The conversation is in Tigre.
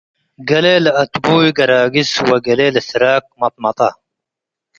ገሌ ለአትቡይ ገራግስ ወገሌ ለስራክ መጥመጠ